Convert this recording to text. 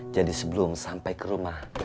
jadi sebelum sampai ke rumah